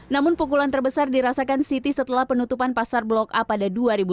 namun pukulan terbesar dirasakan siti setelah penutupan pasar blok a pada dua ribu dua puluh